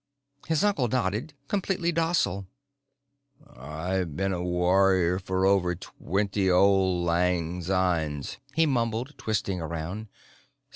His uncle nodded, completely docile. "I've been a warrior for over twenty auld lang synes," he mumbled, twisting around.